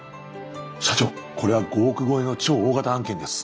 社長これは５億超えの超大型案件です。